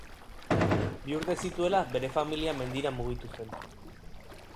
Bi urte zituela, bere familia mendira mugitu zen.